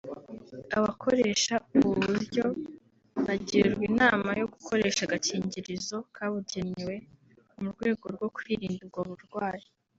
Abakoresha ubu buryo bagirwa inama yo gukoresha agakingirizo kabugenewe mu rwego rwo kwirinda ubwo burwayi